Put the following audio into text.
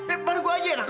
eh bareng gue aja